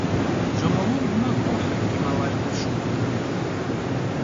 Джомолунгмэ хохьэ Гималай къурш гупым.